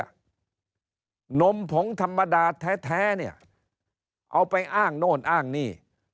นมผงธรรมดาแท้เนี่ยเอาไปอ้างโน่นอ้างนี่